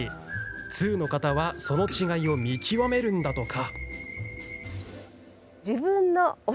通の方は、その違いを見極めるんだとか。